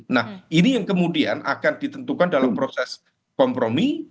nah ini yang kemudian akan ditentukan dalam proses kompromi